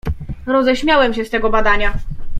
"Roześmiałem się z tego badania."